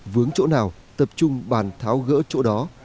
vướng chỗ nào tập trung bàn tháo gỡ chỗ đó